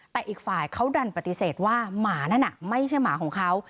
แต่อีกฝ่ายเขาดันปฏิเสธว่าหมานั่นน่ะไม่ใช่หมาของเขา